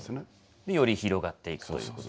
より広がっていくということ。